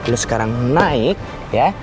lu sekarang naik ya